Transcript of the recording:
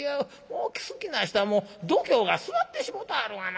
お酒好きな人はもう度胸が据わってしもうてあるがな。